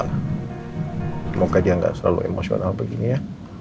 semoga dia nggak selalu emosional begini ya